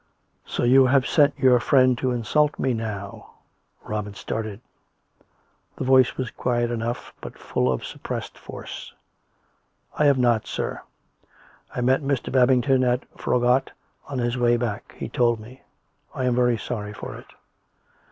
" So you have sent your friend to insult me, now !" Robin started. The voice was quiet enough, but full of a suppressed force. " I have not, sir. I met Mr. Babington at Froggatt on his way back. He told me. I am very sorry for it."